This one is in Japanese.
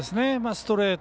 ストレート